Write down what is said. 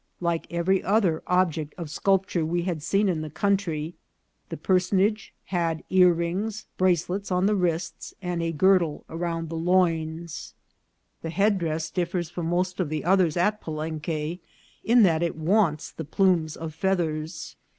Like every other subject of sculpture we had seen in the country, the personage had earrings, brace lets on the wrists, and a girdle round the loins. The headdress differs from most of the others at Palenque in that it wants the plumes of feathers.